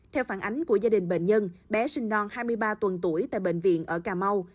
theo phản ánh của gia đình bệnh nhân bé sinh non hai mươi ba tuần tuổi tại bệnh viện ở cà mau